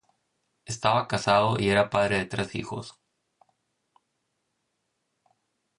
Estaba casado y era padre de tres hijos.